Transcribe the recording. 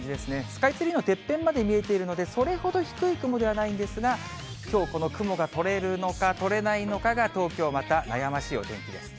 スカイツリーのてっぺんまで見えているので、それほど低い雲ではないんですが、きょうこの雲が取れるのか、取れないのかが東京、また悩ましいお天気です。